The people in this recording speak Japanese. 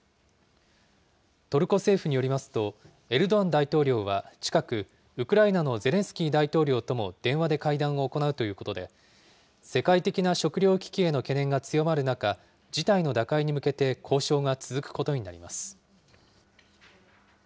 トルコ政府によりますと、エルドアン大統領は近く、ウクライナのゼレンスキー大統領とも電話で会談を行うということで、世界的な食料危機への懸念が強まる中、事態の打開に向けて交渉が続くことになります。